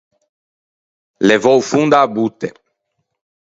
Levâ o fondo a-a botte.